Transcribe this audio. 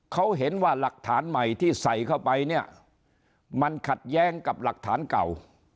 เขาเห็นว่าหลักฐานใหม่ที่ใส่เข้าไปเนี่ยมันขัดแย้งกับหลักฐานเก่า